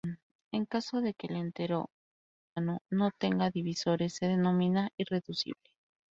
En caso de que el entero gaussiano no tenga divisores se denomina irreducible.